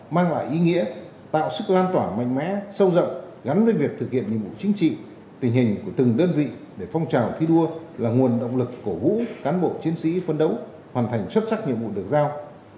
mang lại ý nghĩa tạo sức loan tỏa mạnh mẽ sâu rộng gắn với việc thực hiện nhiệm vụ chính trị tình hình của từng đơn vị để phong trào thi đua là nguồn động lực cổ vũ cán bộ chiến sĩ phân đấu hoàn thành xuất sắc nhiệm vụ được giao